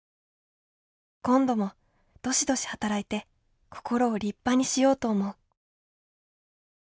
今度もどしどし働いて心を立派にしようと思う」。